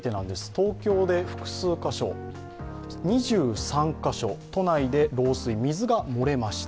東京で２３カ所都内で漏水、水が漏れました。